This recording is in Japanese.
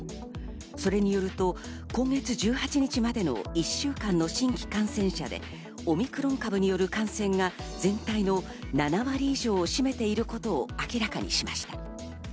それによると、今月１８日までの１週間の新規感染者でオミクロン株による感染が全体の７割以上を占めていることを明らかにしました。